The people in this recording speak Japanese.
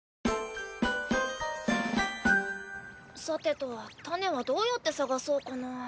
さてと種はどうやって探そうかな？